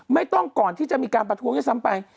ไม่ต้องก่อนที่จะมีการประท้วงให้ซ้ำไป